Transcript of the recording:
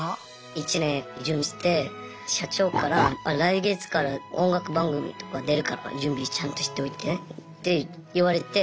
１年準備して社長から来月から音楽番組とか出るから準備ちゃんとしておいてって言われて。